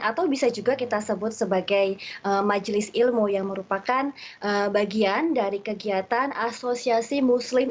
atau bisa juga kita sebut sebagai majelis ilmu yang merupakan bagian dari kegiatan asosiasi muslim